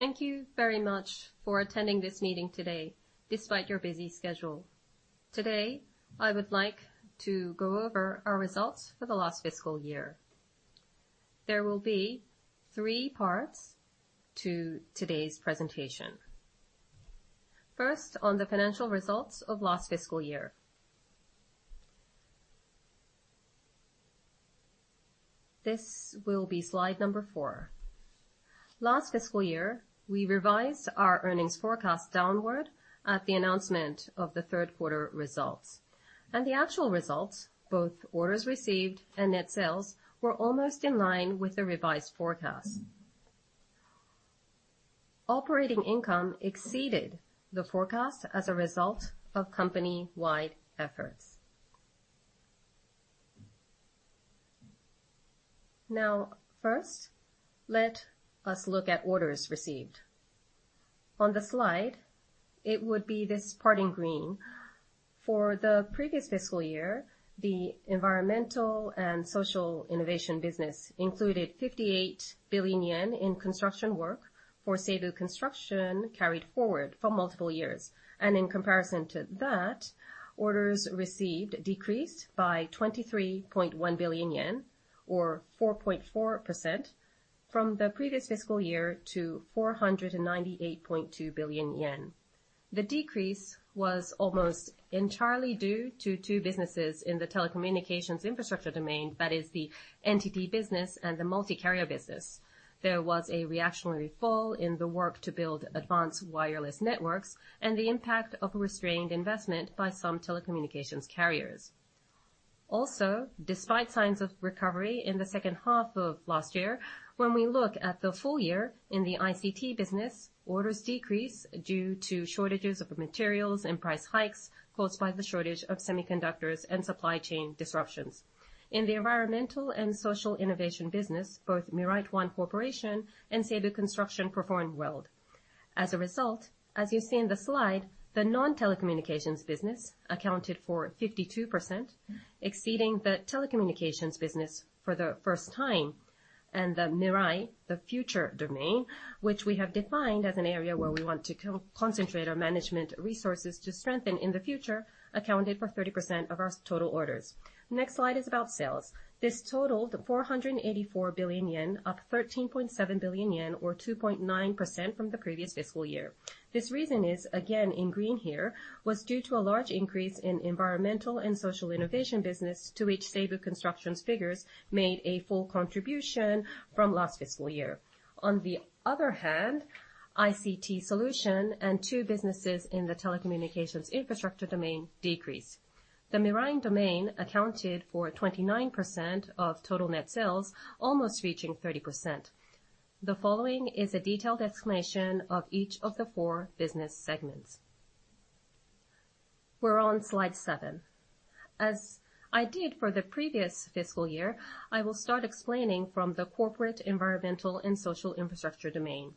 Thank you very much for attending this meeting today despite your busy schedule. Today, I would like to go over our results for the last fiscal year. There will be 3 parts to today's presentation. First, on the financial results of last fiscal year. This will be slide number 4. Last fiscal year, we revised our earnings forecast downward at the announcement of the third quarter results. The actual results, both orders received and net sales, were almost in line with the revised forecast. Operating income exceeded the forecast as a result of company-wide efforts. First, let us look at orders received. On the slide, it would be this part in green. For the previous fiscal year, the environmental and social innovation business included 58 billion yen in construction work for Seibu Construction carried forward for multiple years. In comparison to that, orders received decreased by 23.1 billion yen, or 4.4% from the previous fiscal year to 498.2 billion yen. The decrease was almost entirely due to 2 businesses in the telecommunications infrastructure domain, that is the NTT business and the Multi-carrier business. There was a reactionary fall in the work to build advanced wireless networks and the impact of restrained investment by some telecommunications carriers. Despite signs of recovery in the second half of last year, when we look at the full year in the ICT business, orders decreased due to shortages of materials and price hikes caused by the shortage of semiconductors and supply chain disruptions. In the environmental and social innovation business, both MIRAIT ONE Corporation and Seibu Construction performed well. As a result, as you see in the slide, the non-telecommunications business accounted for 52%, exceeding the telecommunications business for the first time. The MIRAI Domain, which we have defined as an area where we want to concentrate our management resources to strengthen in the future, accounted for 30% of our total orders. Next slide is about sales. This totaled 484 billion yen, up 13.7 billion yen, or 2.9% from the previous fiscal year. This reason is, again, in green here, was due to a large increase in environmental and social innovation business to which Seibu Construction's figures made a full contribution from last fiscal year. On the other hand, ICT solution and 2 businesses in the telecommunications infrastructure domain decreased. The MIRAI Domain accounted for 29% of total net sales, almost reaching 30%. The following is a detailed explanation of each of the 4 business segments. We're on slide 7. As I did for the previous fiscal year, I will start explaining from the corporate environmental and social infrastructure domain.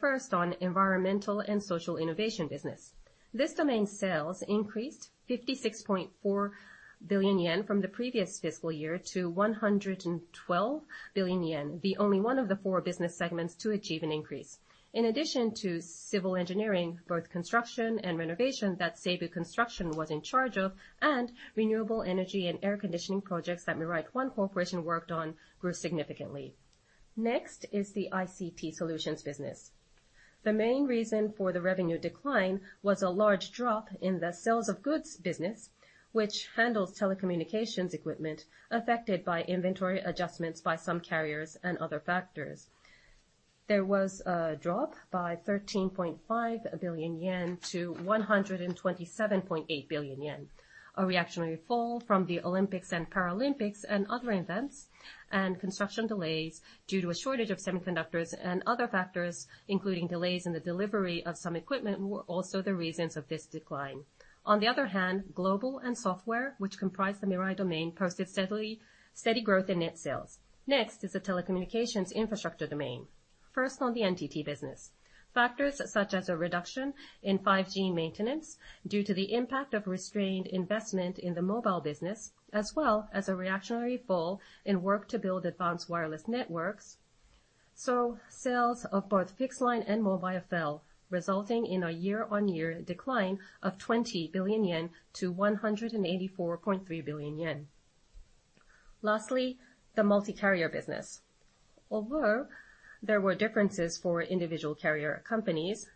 First, on environmental and social innovation business. This domain's sales increased 56.4 billion yen from the previous fiscal year to 112 billion yen. The only 1 of the 4 business segments to achieve an increase. In addition to civil engineering, both construction and renovation that Seibu Construction was in charge of, and renewable energy and air conditioning projects that MIRAIT ONE Corporation worked on grew significantly. Next is the ICT solution business. The main reason for the revenue decline was a large drop in the sales of goods business, which handles telecommunications equipment affected by inventory adjustments by some carriers and other factors. There was a drop by 13.5 billion yen to 127.8 billion yen. A reactionary fall from the Olympics and Paralympics and other events, and construction delays due to a shortage of semiconductors and other factors, including delays in the delivery of some equipment, were also the reasons of this decline. On the other hand, global and software, which comprise the MIRAI Domain, posted steady growth in net sales. Next is the telecommunications infrastructure domain. First on the NTT business. Factors such as a reduction in 5G maintenance due to the impact of restrained investment in the mobile business, as well as a reactionary fall in work to build advanced wireless networks. Sales of both fixed line and mobile fell, resulting in a year-on-year decline of 20 billion yen to 184.3 billion yen. Lastly, the Multi-carrier business. Although there were differences for individual carrier companies,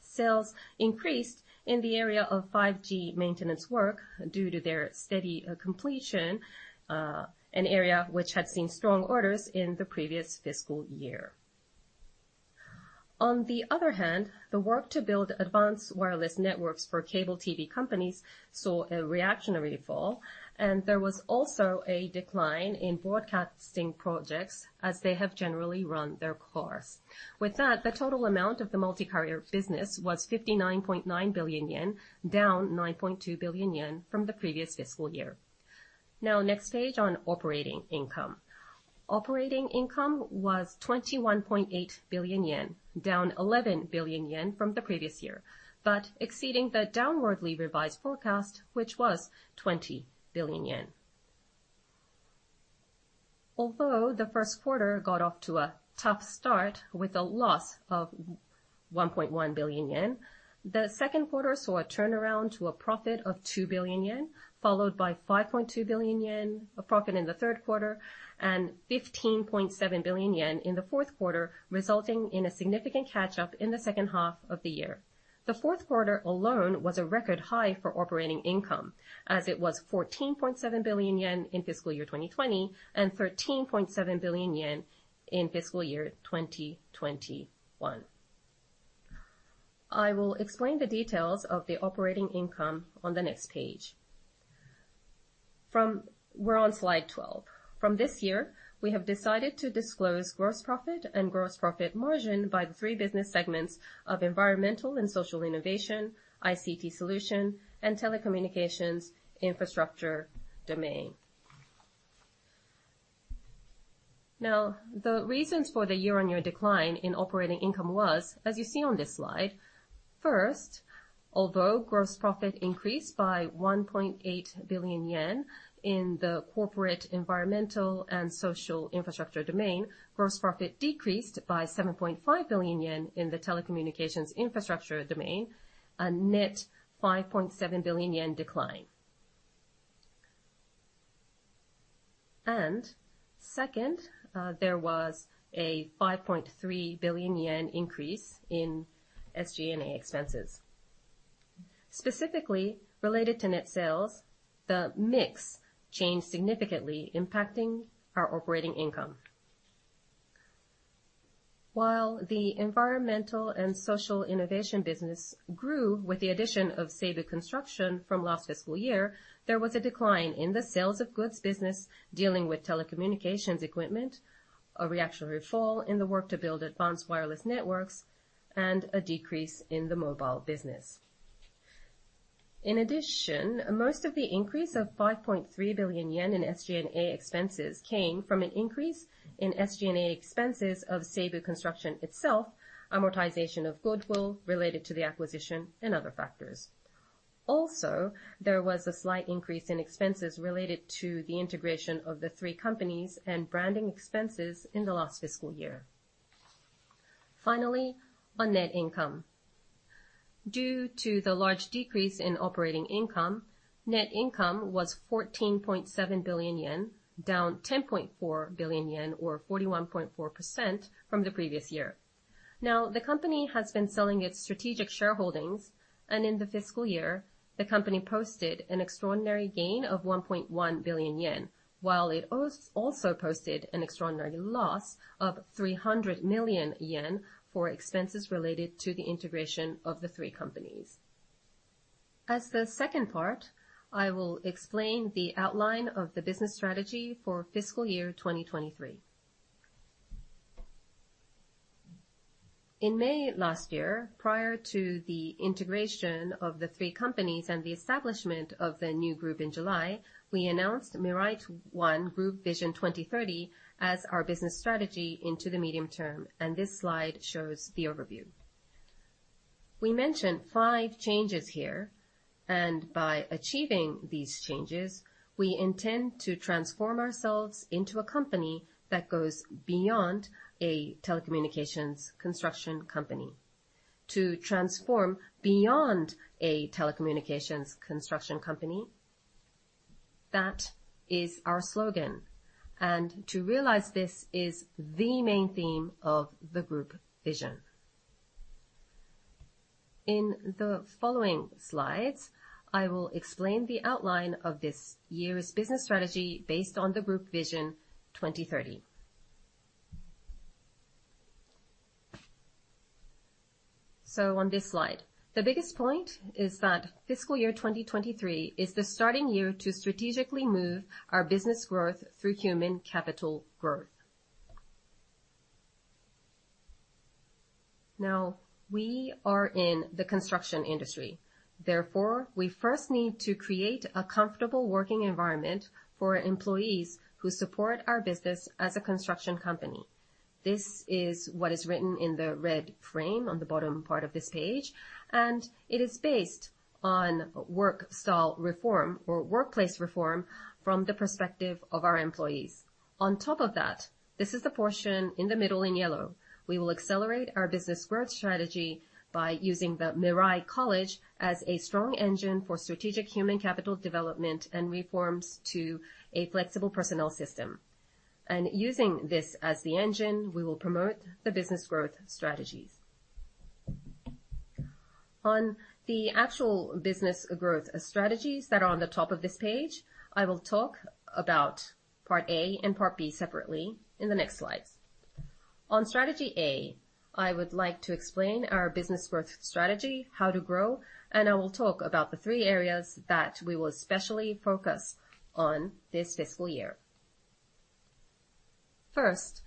sales increased in the area of 5G maintenance work due to their steady completion, an area which had seen strong orders in the previous fiscal year. On the other hand, the work to build advanced wireless networks for cable TV companies saw a reactionary fall, and there was also a decline in broadcasting projects as they have generally run their course. With that, the total amount of the Multi-carrier business was 59.9 billion yen, down 9.2 billion yen from the previous fiscal year. Next page on operating income. Operating income was 21.8 billion yen, down 11 billion yen from the previous year, exceeding the downwardly revised forecast, which was 20 billion yen. The first quarter got off to a tough start with a loss of 1.1 billion yen, the second quarter saw a turnaround to a profit of 2 billion yen, followed by 5.2 billion yen of profit in the third quarter and 15.7 billion yen in the fourth quarter, resulting in a significant catch-up in the second half of the year. The fourth quarter alone was a record high for operating income, as it was 14.7 billion yen in fiscal year 2020 and 13.7 billion yen in fiscal year 2021. I will explain the details of the operating income on the next page. We're on slide 12. From this year, we have decided to disclose gross profit and gross profit margin by the 3 business segments of Environmental and Social Innovation, ICT Solution, and telecommunications infrastructure domain. The reasons for the year-on-year decline in operating income was, as you see on this slide, first, although gross profit increased by 1.8 billion yen in the corporate environmental and social infrastructure domain, gross profit decreased by 7.5 billion yen in the telecommunications infrastructure domain, a net 5.7 billion yen decline. Second, there was a 5.3 billion yen increase in SG&A expenses. Specifically, related to net sales, the mix changed significantly impacting our operating income. While the environmental and social innovation business grew with the addition of Seibu Construction from last fiscal year, there was a decline in the sales of goods business dealing with telecommunications equipment, a reactionary fall in the work to build advanced wireless networks, and a decrease in the mobile business. Most of the increase of 5.3 billion yen in SG&A expenses came from an increase in SG&A expenses of Seibu Construction itself, amortization of goodwill related to the acquisition and other factors. There was a slight increase in expenses related to the integration of the 3 companies and branding expenses in the last fiscal year. On net income. Due to the large decrease in operating income, net income was 14.7 billion yen, down 10.4 billion yen or 41.4% from the previous year. Now, the company has been selling its strategic shareholdings, and in the fiscal year, the company posted an extraordinary gain of 1.1 billion yen, while it also posted an extraordinary loss of 300 million yen for expenses related to the integration of the 3 companies. As the second part, I will explain the outline of the business strategy for fiscal year 2023. In May last year, prior to the integration of the 3 companies and the establishment of the new group in July, we announced MIRAIT ONE Group Vision 2030 as our business strategy into the medium term, and this slide shows the overview. We mentioned 5 changes here, and by achieving these changes, we intend to transform ourselves into a company that goes beyond a telecommunications construction company. To transform beyond a telecommunications construction company, that is our slogan. To realize this is the main theme of the group vision. In the following slides, I will explain the outline of this year's business strategy based on the Group Vision 2030. On this slide, the biggest point is that fiscal year 2023 is the starting year to strategically move our business growth through human capital growth. Now, we are in the construction industry. Therefore, we first need to create a comfortable working environment for employees who support our business as a construction company. This is what is written in the red frame on the bottom part of this page, and it is based on work style reform or workplace reform from the perspective of our employees. On top of that, this is the portion in the middle in yellow. We will accelerate our business growth strategy by using the Mirai College as a strong engine for strategic human capital development and reforms to a flexible personnel system. Using this as the engine, we will promote the business growth strategies. On the actual business growth strategies that are on the top of this page, I will talk about part A and part B separately in the next slides. On strategy A, I would like to explain our business growth strategy, how to grow, and I will talk about the 3 areas that we will especially focus on this fiscal year. First,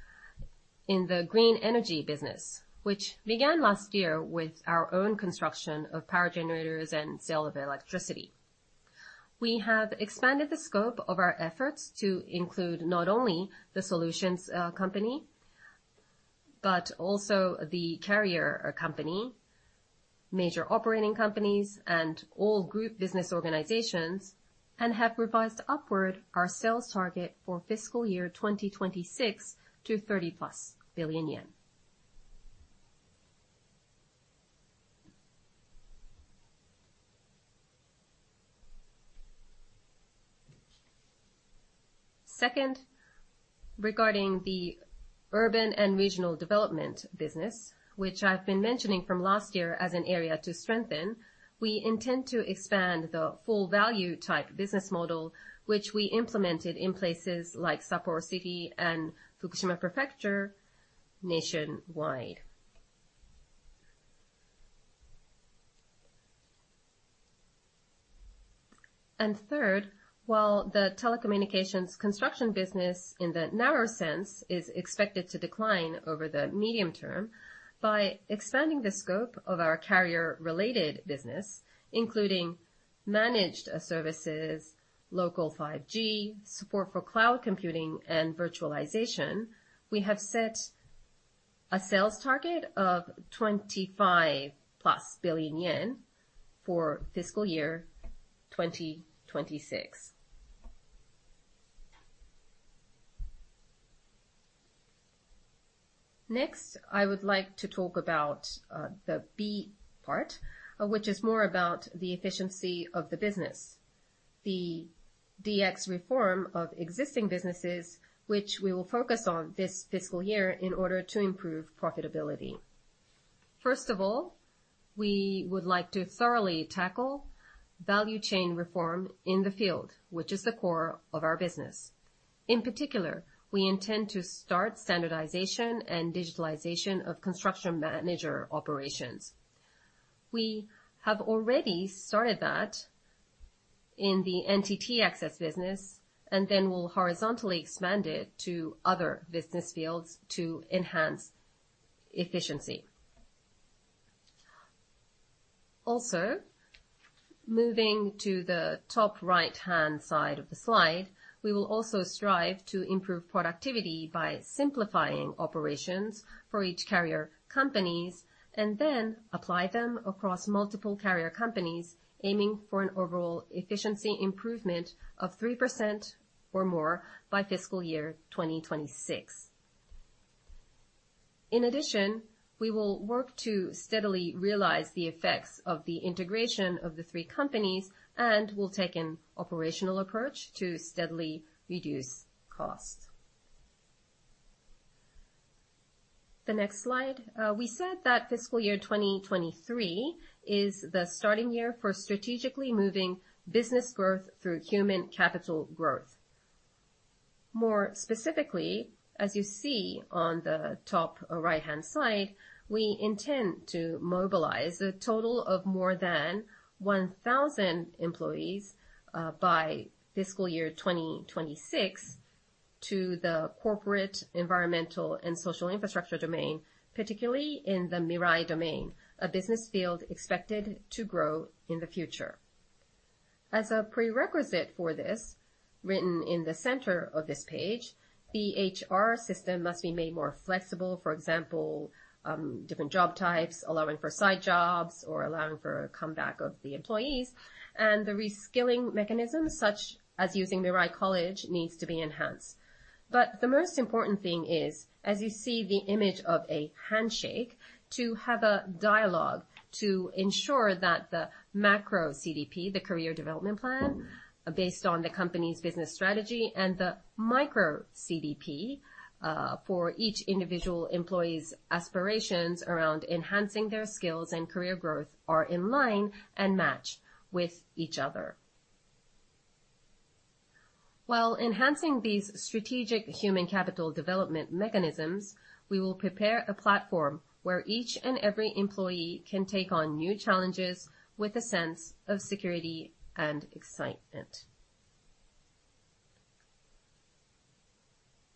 in the green energy business, which began last year with our own construction of power generators and sale of electricity. We have expanded the scope of our efforts to include not only the solutions company, but also the carrier company, major operating companies, and all group business organizations, and have revised upward our sales target for fiscal year 2026 to 30+ billion yen. Regarding the urban and regional development business, which I've been mentioning from last year as an area to strengthen, we intend to expand the full value type business model which we implemented in places like Sapporo City and Fukushima Prefecture nationwide. While the telecommunications construction business in the narrow sense is expected to decline over the medium term by expanding the scope of our carrier-related business, including managed services, local 5G, support for cloud computing and virtualization, we have set a sales target of 25+ billion yen for fiscal year 2026. Next, I would like to talk about the B part, which is more about the efficiency of the business. The DX reform of existing businesses which we will focus on this fiscal year in order to improve profitability. First of all, we would like to thoroughly tackle value chain reform in the field, which is the core of our business. In particular, we intend to start standardization and digitalization of construction manager operations. We have already started that in the NTT access business and then we'll horizontally expand it to other business fields to enhance efficiency. Moving to the top right-hand side of the slide, we will also strive to improve productivity by simplifying operations for each carrier companies and then apply them across multiple carrier companies, aiming for an overall efficiency improvement of 3% or more by fiscal year 2026. In addition, we will work to steadily realize the effects of the integration of the 3 companies and will take an operational approach to steadily reduce costs. The next slide. We said that fiscal year 2023 is the starting year for strategically moving business growth through human capital growth. More specifically, as you see on the top right-hand side, we intend to mobilize a total of more than 1,000 employees by fiscal year 2026 to the corporate environmental and social infrastructure domain, particularly in the MIRAI Domain, a business field expected to grow in the future. As a prerequisite for this, written in the center of this page, the HR system must be made more flexible. For example, different job types, allowing for side jobs or allowing for a comeback of the employees, and the reskilling mechanisms such as using Mirai College needs to be enhanced. The most important thing is, as you see the image of a handshake, to have a dialogue to ensure that the macro CDP, the career development plan based on the company's business strategy and the micro CDP, for each individual employee's aspirations around enhancing their skills and career growth are in line and match with each other. While enhancing these strategic human capital development mechanisms, we will prepare a platform where each and every employee can take on new challenges with a sense of security and excitement.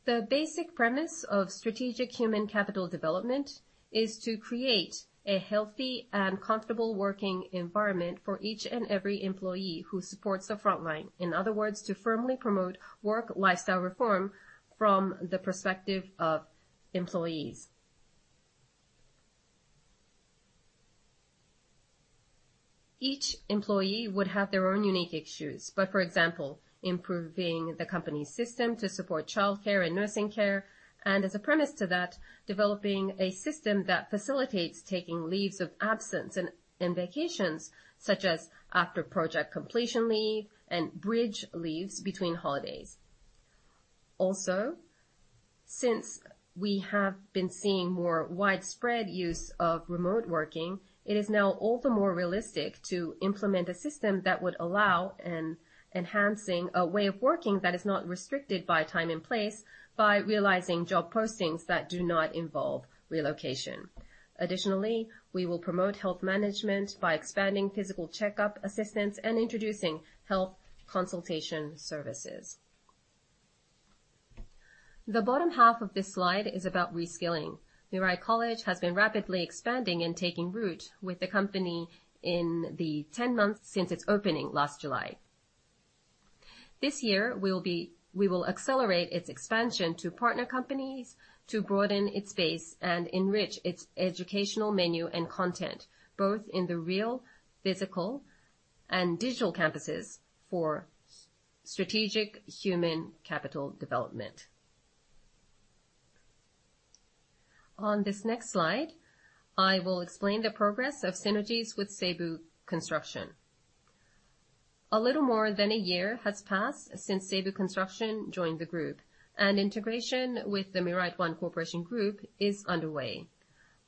The basic premise of strategic human capital development is to create a healthy and comfortable working environment for each and every employee who supports the front line. In other words, to firmly promote work-lifestyle reform from the perspective of employees. Each employee would have their own unique issues, but for example, improving the company's system to support childcare and nursing care, and as a premise to that, developing a system that facilitates taking leaves of absence and vacations such as after-project completion leave and bridge leaves between holidays. Since we have been seeing more widespread use of remote working, it is now all the more realistic to implement a system that would allow an enhancing a way of working that is not restricted by time and place by realizing job postings that do not involve relocation. Additionally, we will promote health management by expanding physical checkup assistance and introducing health consultation services. The bottom half of this slide is about reskilling. Mirai College has been rapidly expanding and taking root with the company in the 10 months since its opening last July. This year, we will accelerate its expansion to partner companies to broaden its base and enrich its educational menu and content, both in the real physical and digital campuses for strategic human capital development. On this next slide, I will explain the progress of synergies with Seibu Construction. A little more than a year has passed since Seibu Construction joined the group, and integration with the MIRAIT ONE Corporation group is underway.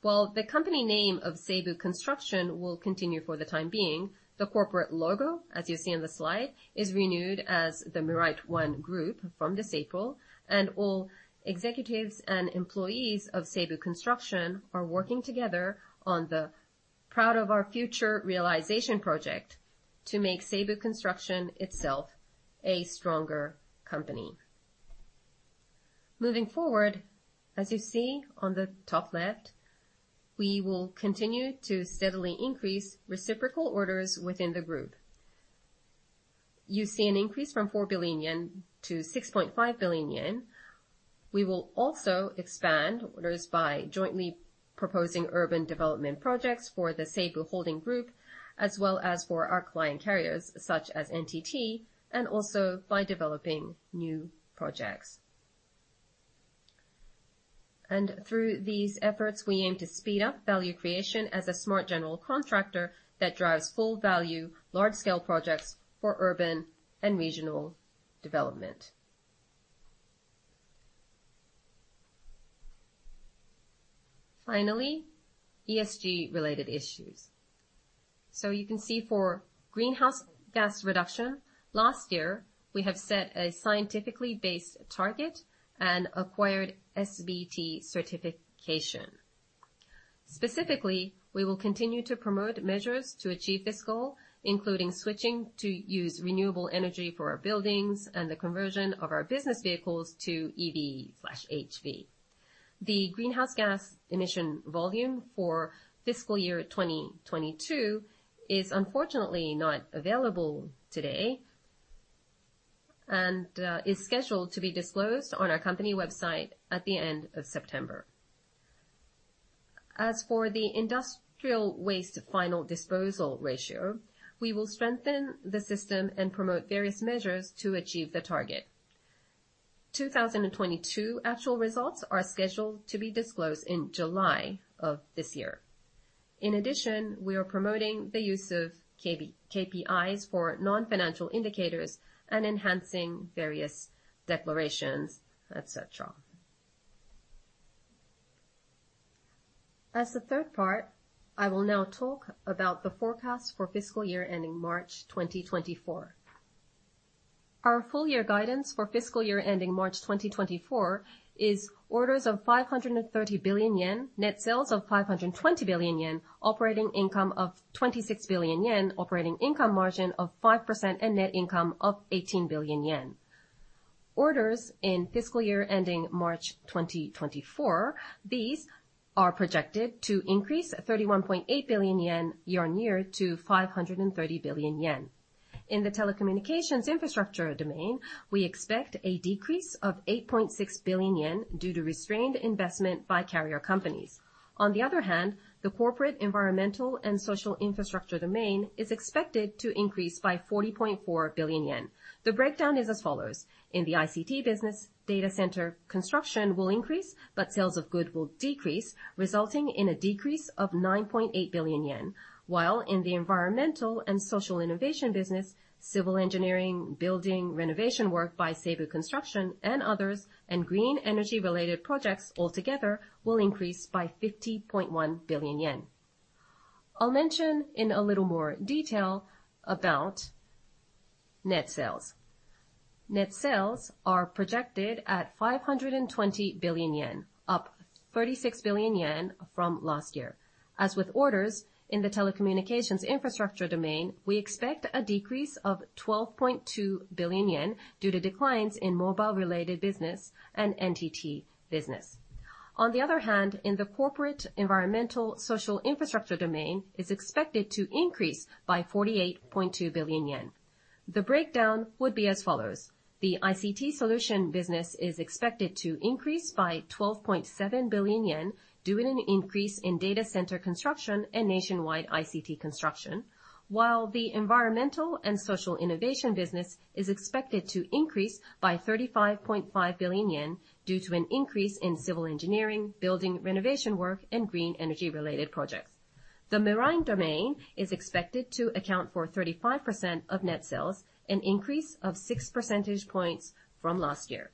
While the company name of Seibu Construction will continue for the time being, the corporate logo, as you see on the slide, is renewed as the MIRAIT ONE Group from this April. All executives and employees of Seibu Construction are working together on the Proud of Our Future Realization project to make Seibu Construction itself a stronger company. Moving forward, as you see on the top left, we will continue to steadily increase reciprocal orders within the group. You see an increase from 4 billion yen to 6.5 billion yen. We will also expand orders by jointly proposing urban development projects for the Seibu Holdings group, as well as for our client carriers such as NTT, and also by developing new projects. Through these efforts, we aim to speed up value creation as a smart general contractor that drives full value large-scale projects for urban and regional development. Finally, ESG related issues. You can see for greenhouse gas reduction, last year we have set a scientifically based target and acquired SBT certification. Specifically, we will continue to promote measures to achieve this goal, including switching to use renewable energy for our buildings and the conversion of our business vehicles to EV/HV. The greenhouse gas emission volume for fiscal year 2022 is unfortunately not available today and is scheduled to be disclosed on our company website at the end of September. As for the industrial waste final disposal ratio, we will strengthen the system and promote various measures to achieve the target. 2022 actual results are scheduled to be disclosed in July of this year. In addition, we are promoting the use of KPIs for non-financial indicators and enhancing various declarations, et cetera. As the third part, I will now talk about the forecast for fiscal year ending March 2024. Our full year guidance for fiscal year ending March 2024 is orders of 530 billion yen, net sales of 520 billion yen, operating income of 26 billion yen, operating income margin of 5%, and net income of 18 billion yen. Orders in fiscal year ending March 2024, these are projected to increase 31.8 billion yen year-on-year to 530 billion yen. In the telecommunications infrastructure domain, we expect a decrease of 8.6 billion yen due to restrained investment by carrier companies. On the other hand, the corporate environmental and social infrastructure domain is expected to increase by 40.4 billion yen. The breakdown is as follows. In the ICT business, data center construction will increase, but sales of goodwill will decrease, resulting in a decrease of 9.8 billion yen. In the environmental and social innovation business, civil engineering, building renovation work by Seibu Construction and others, and green energy related projects altogether will increase by 50.1 billion yen. I'll mention in a little more detail about net sales. Net sales are projected at 520 billion yen, up 36 billion yen from last year. As with orders in the telecommunications infrastructure domain, we expect a decrease of 12.2 billion yen due to declines in mobile related business and NTT business. In the corporate environmental social infrastructure domain, it's expected to increase by 48.2 billion yen. The breakdown would be as follows. The ICT solution business is expected to increase by 12.7 billion yen due to an increase in data center construction and nationwide ICT construction. While the environmental and social innovation business is expected to increase by 35.5 billion yen due to an increase in civil engineering, building renovation work, and green energy related projects. The MIRAI Domain is expected to account for 35% of net sales, an increase of 6 percentage points from last year.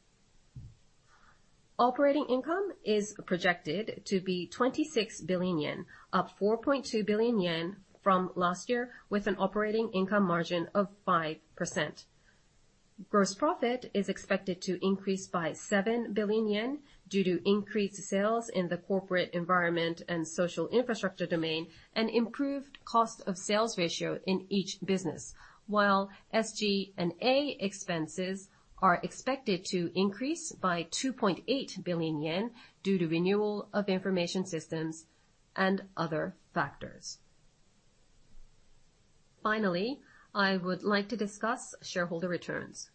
Operating income is projected to be 26 billion yen, up 4.2 billion yen from last year with an operating income margin of 5%. Gross profit is expected to increase by 7 billion yen due to increased sales in the corporate environment and social infrastructure domain and improved cost of sales ratio in each business. While SG&A expenses are expected to increase by 2.8 billion yen due to renewal of information systems and other factors. Finally, I would like to discuss shareholder returns.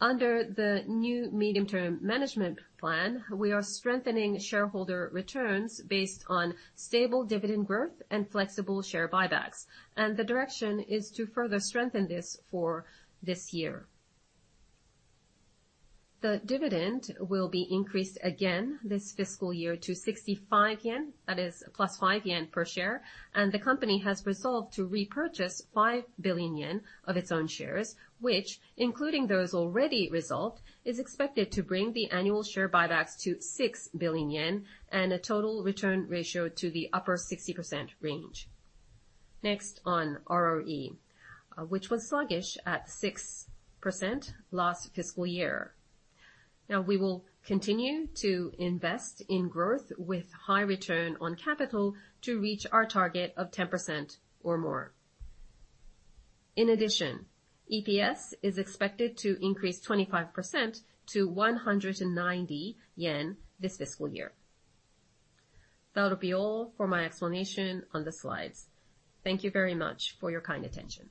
Under the new medium-term management plan, we are strengthening shareholder returns based on stable dividend growth and flexible share buybacks. The direction is to further strengthen this for this year. The dividend will be increased again this fiscal year to 65 yen, that is +5 yen per share, and the company has resolved to repurchase 5 billion yen of its own shares, which including those already resolved, is expected to bring the annual share buybacks to 6 billion yen and a total return ratio to the upper 60% range. Next on ROE, which was sluggish at 6% last fiscal year. Now we will continue to invest in growth with high return on capital to reach our target of 10% or more. In addition, EPS is expected to increase 25% to 190 yen this fiscal year. That'll be all for my explanation on the slides. Thank you very much for your kind attention.